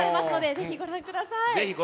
ぜひご覧ください。